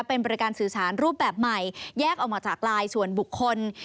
เป็นบริการสื่อสารรูปแบบใหม่แยกออกมาจากไลน์ส่วนบุคคล